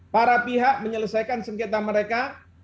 para pihak menyelesaikan sengketa mereka